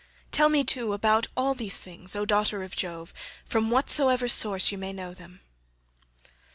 Tell me, too, about all these things, oh daughter of Jove, from whatsoever source you may know them.